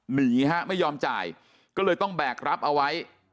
หนีฮะไม่ยอมจ่ายก็เลยต้องแบกรับเอาไว้